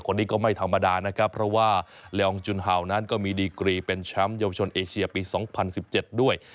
คนนี้ก็ไม่ธรรมดานะครับเพราะว่าลองจุนเฮาวนั้นก็มีดีกรีเป็นแชมป์เยาวชนเอเชียปี๒๐๑๗ด้วย